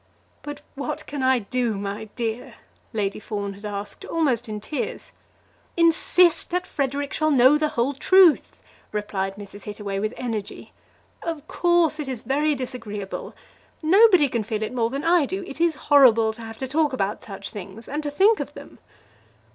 "But what can I do, my dear?" Lady Fawn had asked, almost in tears. "Insist that Frederic shall know the whole truth," replied Mrs. Hittaway with energy. "Of course, it is very disagreeable. Nobody can feel it more than I do. It is horrible to have to talk about such things, and to think of them."